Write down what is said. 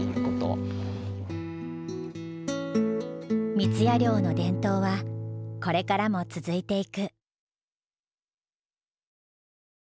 三矢寮の伝統はこれからも続いていく。